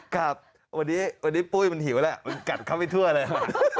ครับวันนี้ปุ้ยมันหิวแล้วมันกัดเข้าไปทั่วเลย